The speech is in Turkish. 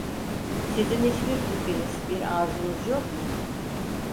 Sizin hiçbir fikriniz, bir arzunuz yok mu?